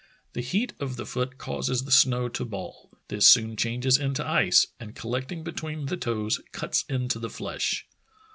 The heat of the foot causes the snow to ball; this soon changes into ice, and collecting between the toes cuts into the flesh.